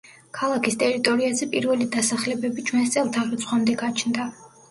ქალაქის ტერიტორიაზე პირველი დასახლებები ჩვენს წელთაღრიცხვამდე გაჩნდა.